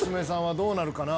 どうなるかな？